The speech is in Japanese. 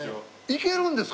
いけるんですか？